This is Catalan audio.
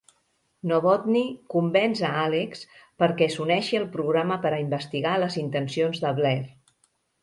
Novotny convenç a Alex perquè s'uneixi al programa per a investigar les intencions de Blair.